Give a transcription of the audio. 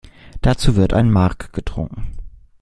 Dazu wird ein Marc getrunken.